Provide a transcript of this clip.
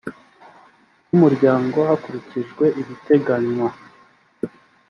w umuryango hakurikijwe ibiteganywa